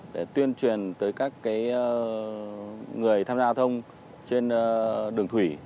để tuyên truyền tới các người tham gia giao thông trên đường thủy